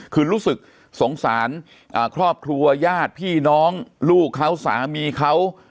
คือรู้สึกสงสารครอบครัวญาติพี่น้องลูกเขาสามีเขา